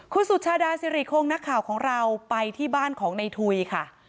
คุณสุชาดาสิริคงนักข่าวของเราไปที่บ้านของในทุยค่ะ